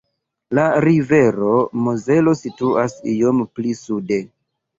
La rivero Mozelo situas iom pli sude.